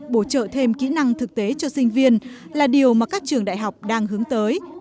bổ trợ thêm kỹ năng thực tế cho sinh viên là điều mà các trường đại học đang hướng tới